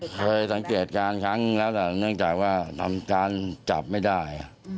เคยสังเกตการณ์ครั้งแล้วแหละเนื่องจากว่าทำการจับไม่ได้